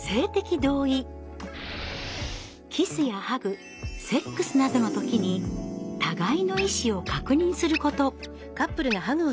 キスやハグセックスなどの時に互いの意思を確認すること。